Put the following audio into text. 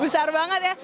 besar banget ya